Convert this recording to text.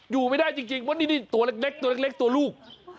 อยู่ไม่ได้จริงว่านี่ตัวเล็กตัวลูก